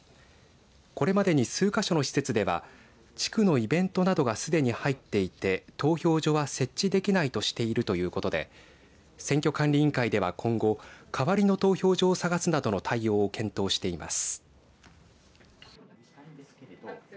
これまでに数か所の施設では地区のイベントなどがすでに入っていて投票所は設置できないとしているということで選挙管理委員会では今後代わりの投票所を探すなどの対応を検討しています。